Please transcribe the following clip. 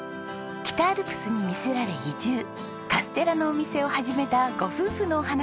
北アルプスに魅せられ移住カステラのお店を始めたご夫婦のお話。